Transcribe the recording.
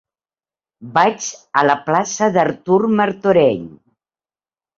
Vaig a la plaça d'Artur Martorell.